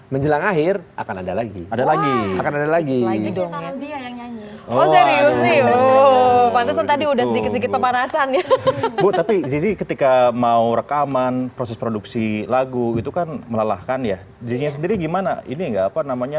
perekaman proses produksi lagu itu kan melalahkan ya jadinya sendiri gimana ini enggak apa namanya